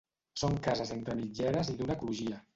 Són cases entre mitgeres i d'una crugia.